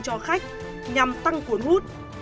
cho khách nhằm tăng cuốn hút